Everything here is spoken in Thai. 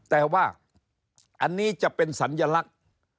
แต่ว่าอันนี้จะเป็นสัญลักษณ์